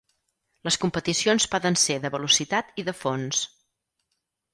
Les competicions poden ser de Velocitat i de Fons.